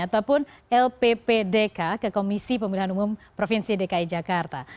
ataupun lppdk ke komisi pemilihan umum provinsi dki jakarta